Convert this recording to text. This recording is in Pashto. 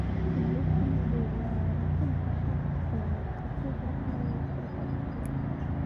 په دهلېز کې مې د یوه راتلونکي شخص د پښو کړپهاری تر غوږو شو.